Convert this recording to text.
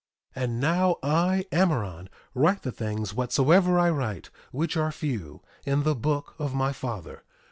1:4 And now I, Amaron, write the things whatsoever I write, which are few, in the book of my father.